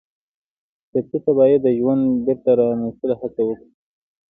ټپي ته باید د ژوند بېرته راستنولو هڅه وکړو.